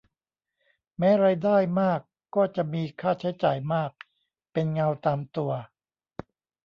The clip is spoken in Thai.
แม้รายได้มากก็จะมีค่าใช้จ่ายมากเป็นเงาตามตัว